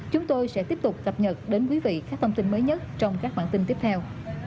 chúng tôi sẽ tiếp tục cập nhật đến quý vị các thông tin mới nhất trong các bản tin tiếp theo